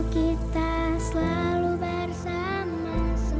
kita selalu bersama